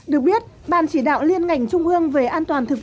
được biết ban chỉ đạo liên ngành trung ương về an toàn thông tin